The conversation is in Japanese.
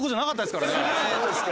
そうですか。